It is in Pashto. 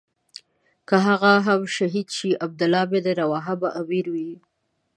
که هغه هم شهید شي عبدالله بن رواحه به امیر وي.